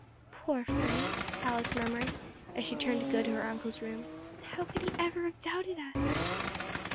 '" "Poor Frank!" Alice murmured, as she turned to go to her uncle's room, "how could he have ever doubted us?"